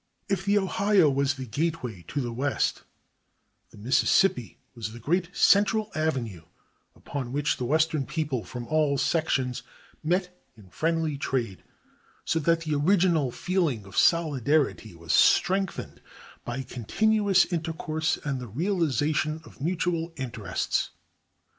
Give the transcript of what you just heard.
If the Ohio was the gateway to the West, the Mississippi was the great central avenue upon which the western people from all sections met in friendly trade, so that the original feeling of solidarity was strengthened by continuous intercourse and the realization of mutual interests.